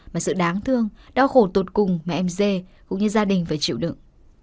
mà sự đáng thương đau khổ tột cùng mẹ em dê cũng như gia đình phải chịu đựng